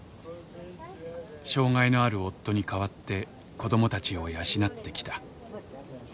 障害のある夫に代わって子どもたちを養ってきた。